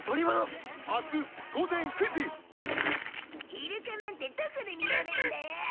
イルカなんてどこで見られるんだよ？